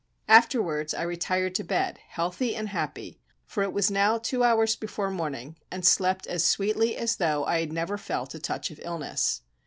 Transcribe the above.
Afterwards I retired to bed, healthy and happy, for it was now two hours before morning, and slept as sweetly as though I had never felt a touch of illness.